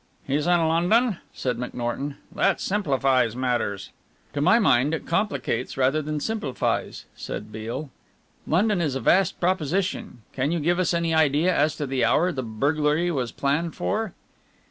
"He's in London?" said McNorton. "That simplifies matters." "To my mind it complicates rather than simplifies," said Beale. "London is a vast proposition. Can you give us any idea as to the hour the burglary was planned for?"